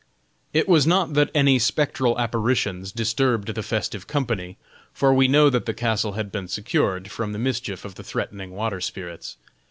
It was not that any spectral apparitions disturbed the festive company, for we know that the castle had been secured from the mischief of the threatening water spirits.